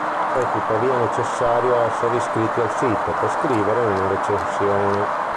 È tuttavia necessario essere iscritti al sito per scrivere una recensione.